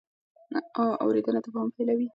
اورېدنه تفاهم پیلوي.